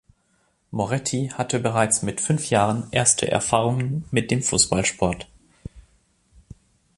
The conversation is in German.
Moretti hatte bereits mit fünf Jahren erste Erfahrungen mit dem Fußballsport.